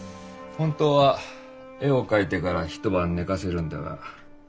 本当は絵を描いてから一晩寝かせるんだが。